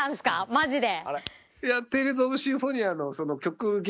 マジで。